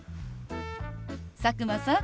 佐久間さん